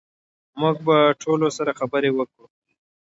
موږ به ټولو سره خبرې وکړو